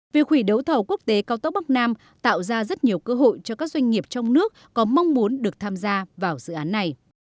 việc hủy đấu thầu quốc tế cao tốc bắc nam tạo ra rất nhiều cơ hội cho các doanh nghiệp trong nước có mong muốn được tham gia vào dự án này